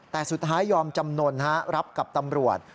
แต่สุดท้ายยอมจำนวนรับกับตำรวจ